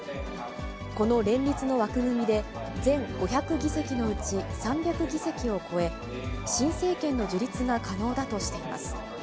この連立の枠組みで、全５００議席のうち３００議席を超え、新政権の樹立が可能だとしています。